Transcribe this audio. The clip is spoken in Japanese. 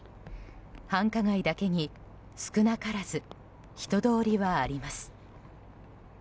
繁華街だけに少なからず人通りはあります。